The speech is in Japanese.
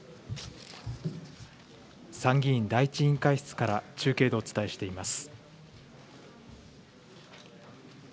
参議院第１委員会室から中継でお伝えしています。